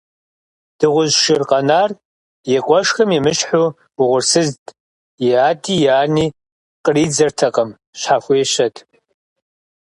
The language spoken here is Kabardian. Дыгъужь шыр къэнар и къуэшхэм емыщхьу угъурсызт, и ади и ани къридзэртэкъым, щхьэхуещэт.